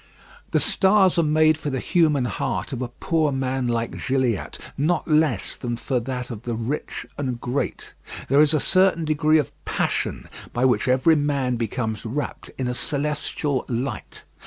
The stars are made for the human heart of a poor man like Gilliatt not less than for that of the rich and great. There is a certain degree of passion by which every man becomes wrapped in a celestial light.